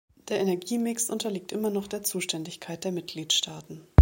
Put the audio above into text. Der Energiemix unterliegt immer noch der Zuständigkeit der Mitgliedstaaten.